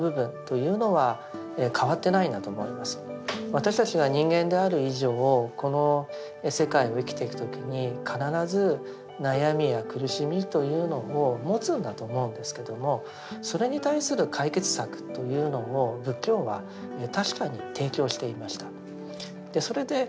私たちが人間である以上この世界を生きていく時に必ず悩みや苦しみというのを持つんだと思うんですけどもそれに対する解決策というのを仏教は確かに提供していました。